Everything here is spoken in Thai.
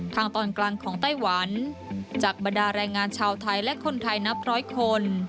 ทางตอนกลางของไต้หวันจากบรรดาแรงงานชาวไทยและคนไทยนับร้อยคน